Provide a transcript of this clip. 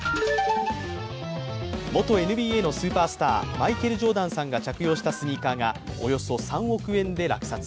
元ＮＢＡのスーパースターマイケル・ジョーダンさんが着用したスニーカーがおよそ３億円で落札。